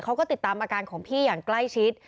เขาก็ติดตามอาการของพี่อย่างใกล้ชิด